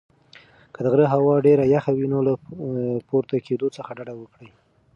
که د غره هوا ډېره یخه وي نو له پورته کېدو څخه ډډه وکړئ.